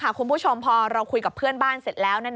นี่ค่ะคุณผู้ชมพอเราคุยกับเพื่อนบ้านเสร็จแล้วนะน้า